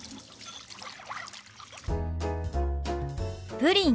「プリン」。